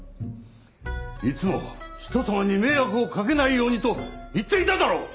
いつも人様に迷惑をかけないようにと言っていただろう！